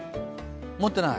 持ってない。